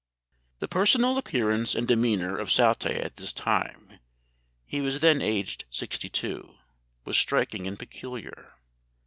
_] "The personal appearance and demeanour of Southey at this time (he was then aged sixty two) was striking and peculiar.